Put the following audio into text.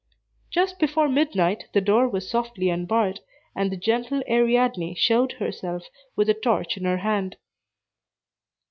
Just before midnight, the door was softly unbarred, and the gentle Ariadne showed herself, with a torch in her hand.